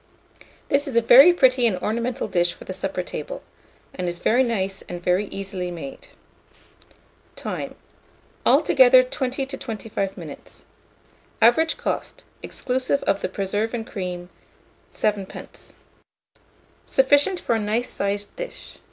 This is a very pretty and ornamental dish for the supper table, and is very nice and very easily made. Time. Altogether 20 to 25 minutes. Average cost, exclusive of the preserve and cream, 7d. Sufficient for a nice sized dish.